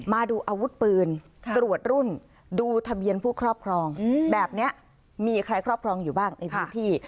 มาดูอาวุธปืนตรวจรุ่นดูทะเบียนผู้ครอบครองแบบนี้มีใครครอบครองอยู่บ้างในพื้นที่